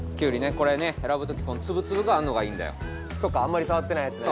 これね選ぶときこの粒々があるのがいいんだよあんまり触ってないやつね